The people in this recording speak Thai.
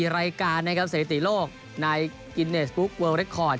๔รายการในสถิติโลกในกิเนสบุ๊คเวิร์ลเรคคอร์ด